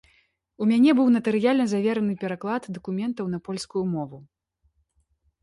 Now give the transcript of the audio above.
У мяне быў натарыяльна завераны пераклад дакументаў на польскую мову.